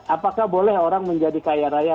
apakah boleh orang menjadi kaya raya